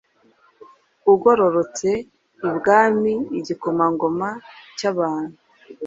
Ugororotse ibwami igikomangoma cyabantu